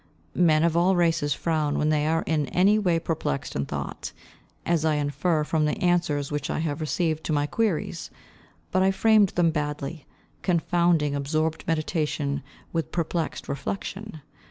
Men of all races frown when they are in any way perplexed in thought, as I infer from the answers which I have received to my queries; but I framed them badly, confounding absorbed meditation with perplexed reflection.